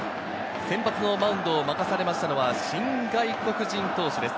先発のマウンドを任されましたのは新外国人投手です。